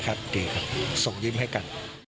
ดีครับส่งยิ้มให้กัน